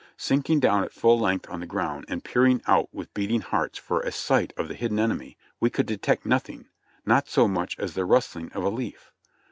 Sinking down at full length on the ground, and peering out with beating hearts for a sight of the hidden enemy, we could detect nothing; not so much as the rustling of a leaf.